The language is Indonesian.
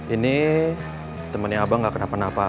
ini temennya abang gak kenapa napa